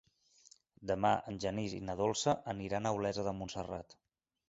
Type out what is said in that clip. Demà en Genís i na Dolça aniran a Olesa de Montserrat.